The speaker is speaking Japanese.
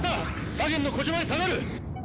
左舷の小島へ下がる。